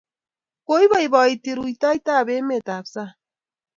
Koipoipoiti rutoitap emet ap sang'